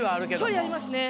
距離ありますね。